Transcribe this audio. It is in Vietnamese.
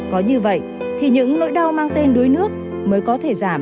có như vậy thì những nỗi đau mang tên đuối nước mới có thể giảm